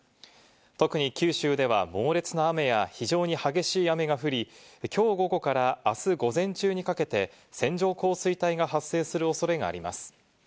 特に九州では猛烈な雨や非常に激しい雨が降り、きょう午後からあす午前中にかけて線状降水帯が発生するおそれがあります。